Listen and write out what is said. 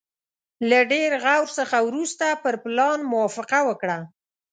له ډېر غور څخه وروسته پر پلان موافقه وکړه.